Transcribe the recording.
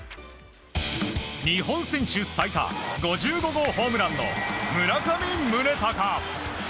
日本選手最多５５号ホームランの村上宗隆。